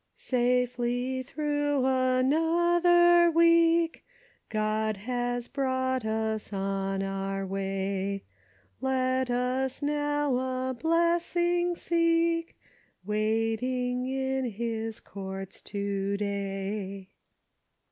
"Safely through another week, God has brought us on our way, Let us now a blessing seek, Waiting in his courts to day.